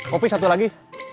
kopi satu lagi